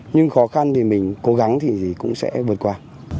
nhưng khó khăn thì mình cố gắng thì cũng sẽ vượt qua